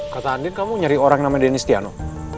kata andin kamu mencari orang namanya dennis tiano